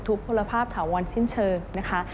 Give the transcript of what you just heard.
พลภาพถาวรสิ้นเชิงนะคะ